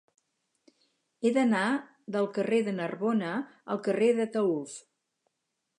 He d'anar del carrer de Narbona al carrer d'Ataülf.